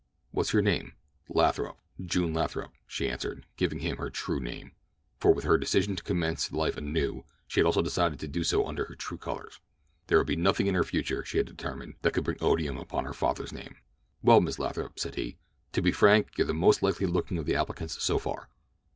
"What is your name?" "Lathrop—June Lathrop," she answered, giving him her true name; for with her decision to commence life anew she had also decided to do so under her true colors. There would be nothing in her future, she had determined, that could bring odium upon her father's name. "Well Miss Lathrop," said he, "to be frank, you're the most likely looking of the applicants so far.